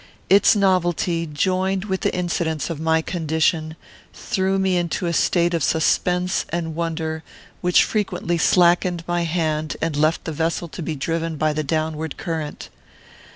Its novelty, joined with the incidents of my condition, threw me into a state of suspense and wonder which frequently slackened my hand and left the vessel to be driven by the downward current.